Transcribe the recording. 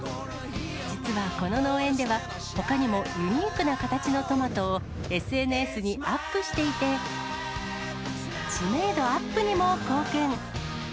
実はこの農園では、ほかにもユニークな形のトマトを、ＳＮＳにアップしていて、知名度アップにも貢献。